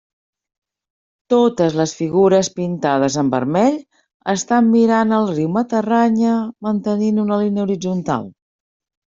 Totes les figures, pintades en vermell, estan mirant al riu Matarranya mantenint una línia horitzontal.